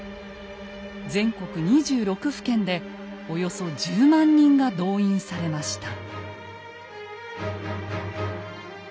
全国２６府県でおよそ１０万人が動員されました。